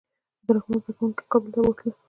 عبدالرحمن زده کوونکي کابل ته بوتلل.